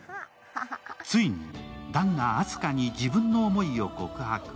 ついに、弾があす花に自分の思いを告白。